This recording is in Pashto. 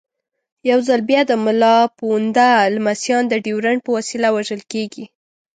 یو ځل بیا د ملا پوونده لمسیان د ډیورنډ په وسیله وژل کېږي.